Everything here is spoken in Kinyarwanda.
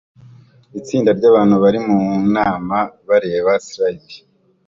Itsinda ryabantu bari munama bareba slide